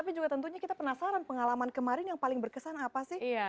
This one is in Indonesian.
tapi juga tentunya kita penasaran pengalaman kemarin yang paling berkesan apa sih